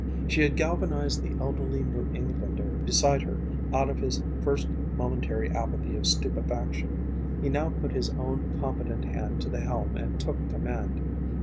She had galvanized the elderly New Englander beside her out of his first momentary apathy of stupefaction. He now put his own competent hand to the helm and took command.